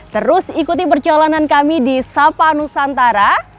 terus ikuti perjalanan kami di sopanusantara